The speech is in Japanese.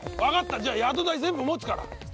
じゃあ宿代全部持つから。